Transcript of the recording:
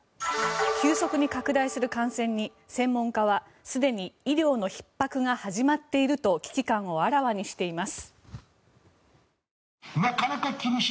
急速に拡大する感染に、専門家はすでに医療のひっ迫が始まっていると危機感をあらわにしています。